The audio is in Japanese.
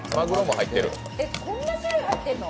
こんな種類入ってるの？